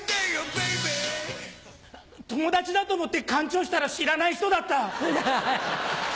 Ｂａｂｙ友達だと思ってカンチョウしたら知らない人だった。